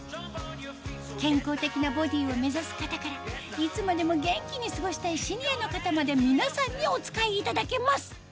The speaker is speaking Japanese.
健康的なボディーを目指す方からいつまでも元気に過ごしたいシニアの方まで皆さんにお使いいただけます